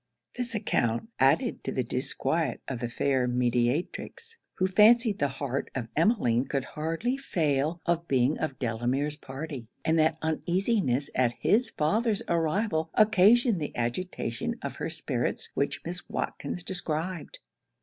This account, added to the disquiet of the fair mediatrix; who fancied the heart of Emmeline could hardly fail of being of Delamere's party, and that uneasiness at his father's arrival occasioned the agitation of her spirits which Mrs. Watkins described.